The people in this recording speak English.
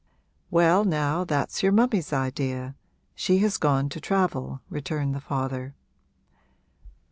'Well now that's your mummy's idea she has gone to travel,' returned the father.